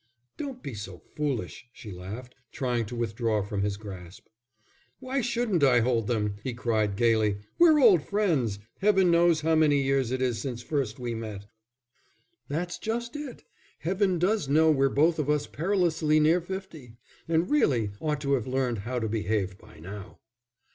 "Don't be so foolish," she laughed, trying to withdraw from his grasp. "Why shouldn't I hold them?" he cried gaily. "We're old friends. Heaven knows how many years it is since first we met." "That's just it, Heaven does know we're both of us perilously nearly fifty, and really ought to have learned how to behave by now."